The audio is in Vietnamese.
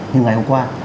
như ngày hôm qua